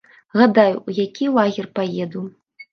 Гадаю, у які лагер паеду.